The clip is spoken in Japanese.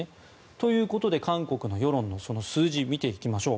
ということで、韓国の世論のその数字を見ていきましょう。